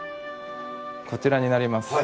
こちらになります。